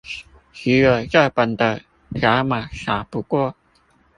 只有這本的條碼掃不過